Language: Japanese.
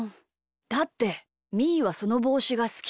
だってみーはそのぼうしがすき。